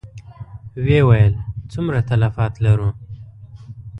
ويې ويل: څومره تلفات لرو؟